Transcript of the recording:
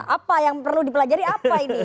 apa yang perlu dipelajari apa ini